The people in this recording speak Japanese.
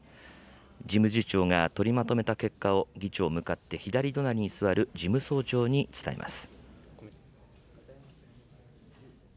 事務次長が取りまとめた結果を、議長向かって左隣に座る事務総長に伝えます。